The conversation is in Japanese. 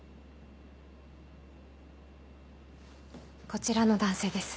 こちらの男性です。